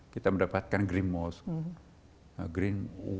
kita mendapatkan green mosque